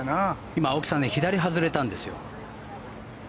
今、青木さん左外れたんですよ。